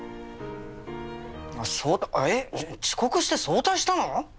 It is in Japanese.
「早退」えっ遅刻して早退したの？